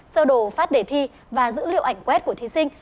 sơ đồ phát đề thi và dữ liệu ảnh quét của thí sinh